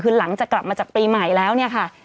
คือหลังจากกลับมาจากปีใหม่แล้วเนี่ยค่ะ